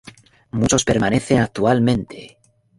Muchos permanecen actualmente.